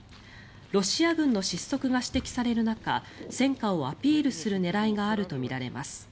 ロシア軍の失速が指摘される中戦果をアピールする狙いがあるとみられます。